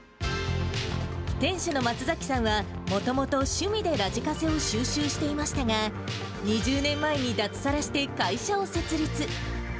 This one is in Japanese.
店主の松崎さんは、もともと趣味でラジカセを収集していましたが、２０年前に脱サラして会社を設立。